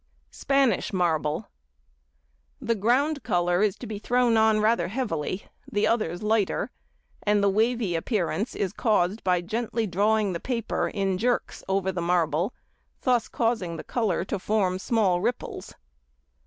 Spanish Marble.—The ground colour is to be thrown on rather heavily, the others lighter, and the wavy appearance is caused by gently drawing the paper in jerks over the marble, thus causing the colour to form small ripples.